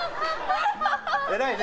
偉いね。